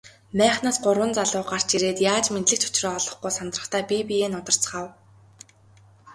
Майхнаас гурван залуу гарч ирээд яаж мэндлэх ч учраа олохгүй сандрахдаа бие биеэ нударцгаав.